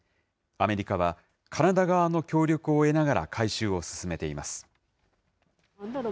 アメリカは、カナダ側の協力を得ながら回収を進めています。